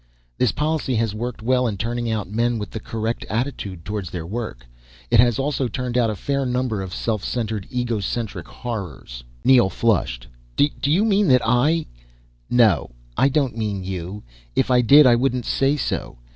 "This policy has worked well in turning out men with the correct attitude towards their work. It has also turned out a fair number of self centered, egocentric horrors." Neel flushed. "Do you mean that I " "No, I don't mean you. If I did, I would say so.